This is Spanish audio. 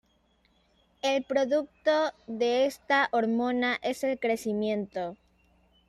El producto de esta hormona es el crecimiento.